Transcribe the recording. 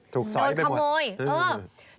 ถูกซ้อยไปหมดอยู่โดนขโมย